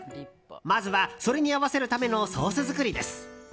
まずは、それに合わせるためのソース作りです。